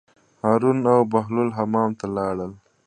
هارون او بهلول حمام ته لاړل.